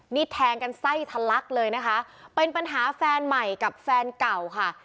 นี่แทงกันไส้ทะลักเลยนะคะเป็นปัญหาแฟนใหม่กับแฟนเก่าค่ะ